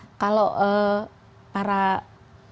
kemudian kalau para masyarakat yang hanya ingin coba coba